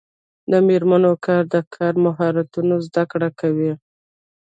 د میرمنو کار د کار مهارتونو زدکړه کوي.